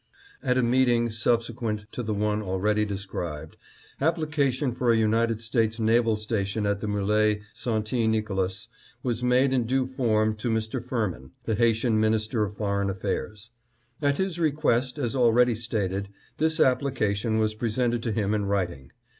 " A T a meeting subsequent to the one already de f~\ scribed, application for a United States naval sta tion at the MQle St. Nicolas was made in due form to Mr. Firmin, the Haitian Minister of Foreign Affairs. At his request, as already stated, this application was presented to him in writing.